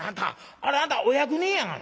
あれあんたお役人やがな」。